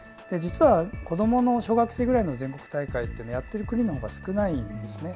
実は子どもの小学生ぐらいの全国大会というのは少ないんです。